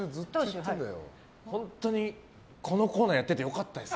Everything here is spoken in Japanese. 本当にこのコーナーやってて良かったです。